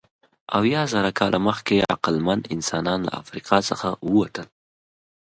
اویازره کاله مخکې عقلمن انسانان له افریقا څخه ووتل.